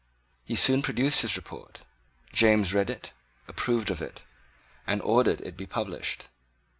He soon produced his report. James read it, approved of it, and ordered it to be published.